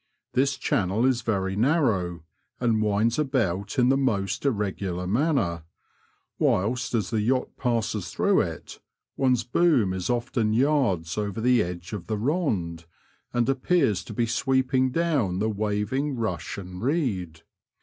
This channel is very narrow, and winds about in the most irregular manner^ whilst as the yacht passes through it, one's boom is often yards over the edge of the rond, and appears to be sweeping down the waving rush and reed.